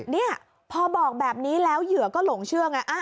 เนี่ยพอบอกแบบนี้แล้วเหยื่อก็หลงเชื่อไง